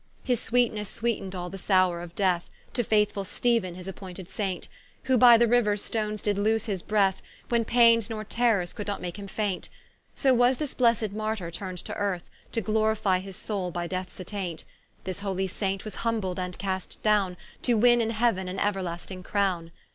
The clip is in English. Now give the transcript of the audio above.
His sweetnesse sweet'ned all the sowre of death, To faithfull Stephen his appointed Saint; Who by the riuer stones did loose his breath, When paines nor terrors could not make him faint: So was this blessed Martyr turn'd to earth, To glorifie his soule by deaths attaint: This holy Saint was humbled and cast downe, To winne in heauen an euerlasting crowne.